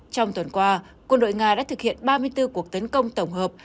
trong tuần qua quân đội nga đã thực hiện ba mươi bốn cuộc tấn công tổng hợp